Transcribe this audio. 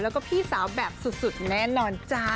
แล้วก็พี่สาวแบบสุดแน่นอนจ้า